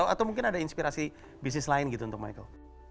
atau mungkin ada inspirasi bisnis lain gitu untuk michael